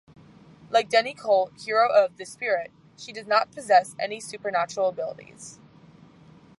Like Denny Colt, hero of "The Spirit", she does not possess any supernatural abilities.